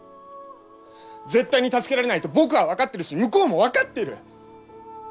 絶対に助けられないと僕は分かっているし向こうも分かってる！